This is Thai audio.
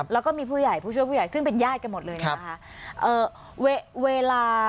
แล้วก็มีผู้ใหญ่ผู้ช่วยผู้ใหญ่ซึ่งเป็นญาติกันหมดเลยเนี่ยนะคะ